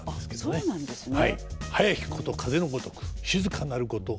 あっそうなんですね。